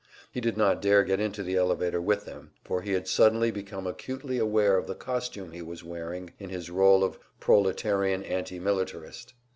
He did not dare get into the elevator with them, for he had suddenly become accutely aware of the costume he was wearing in his role of proletarian anti militarist!